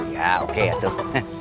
ya oke ya tuh